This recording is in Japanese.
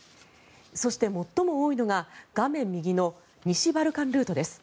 そして最も多いのが画面右の西バルカンルートです。